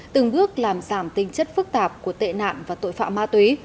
từng bước làm giảm tinh chất phức tạp của tệ nạn và tội phạm ma túy